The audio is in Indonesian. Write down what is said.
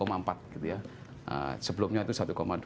emerging market termasuk indonesia nantinya menurut